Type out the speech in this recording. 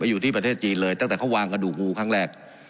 อยู่ที่ประเทศจีนเลยตั้งแต่เขาวางกระดูกงูครั้งแรก